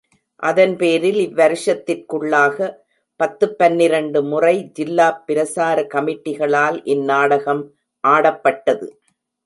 அதன்பேரில் இவ்வருஷத்திற்குள்ளாக பத்துப் பன்னிரண்டு முறை ஜில்லாப் பிரசார கமிட்டிகளால் இந்நாடகம் ஆடப்பட்டது.